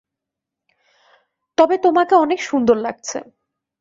তবে তোমাকে অনেক সুন্দর লাগছে।